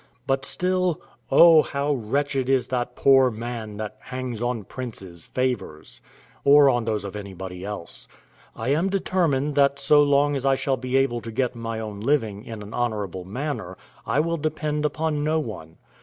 But still "Oh! how wretched Is that poor Man, that hangs on Princes' favors" or on those of anybody else. I am determined that so long as I shall be able to get my own living in an honorable manner, I will depend upon no one.